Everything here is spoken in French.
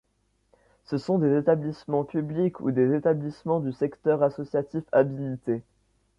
Ce sont des établissements publics ou des établissements du Secteur Associatif Habilité.